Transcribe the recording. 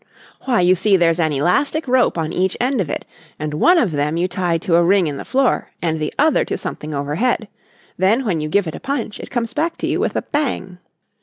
"Why, you see there's an elastic rope on each end of it, and one of them you tie to a ring in the floor and the other to something overhead. Then when you give it a punch it comes back to you with a bang."